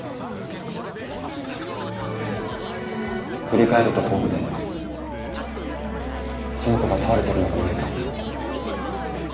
振り返ると遠くでその子が倒れてるのが見えた。